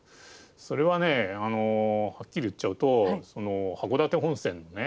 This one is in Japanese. それははっきり言っちゃうと函館本線のね